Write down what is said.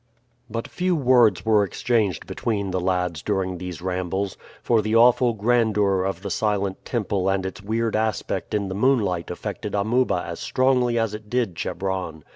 But few words were exchanged between the lads during these rambles, for the awful grandeur of the silent temple and its weird aspect in the moonlight affected Amuba as strongly as it did Chebron.